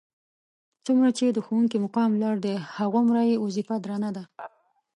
څومره چې د ښوونکي مقام لوړ دی هغومره یې وظیفه درنه ده.